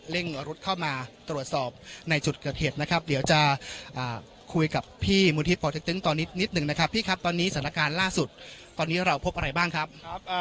รุดเข้ามาตรวจสอบในจุดเกิดเหตุนะครับเดี๋ยวจะคุยกับพี่มูลที่ป่อเต็กตึงตอนนี้นิดหนึ่งนะครับพี่ครับตอนนี้สถานการณ์ล่าสุดตอนนี้เราพบอะไรบ้างครับ